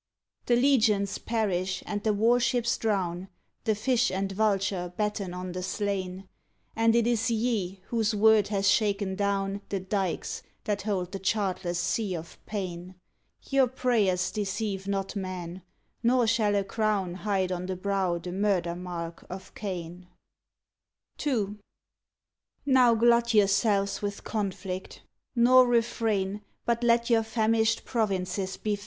The legions perish and the warships drown ; The fish and vulture batten on the slain ; And it is ye whose word hath shaken down The dykes that hold the chartless sea of pain. Your prayers deceive not men, nor shall a crown Hide on the brow the murder mark of Cain. 131 ON THE GREAT WAR II Now glut yourselves with conflict, nor refrain, But let your famished provinces be.